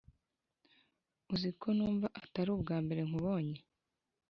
uziko numva atari ubwa mbere nkubonye